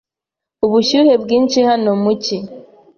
Ubushyuhe bwinshi hano mu cyi.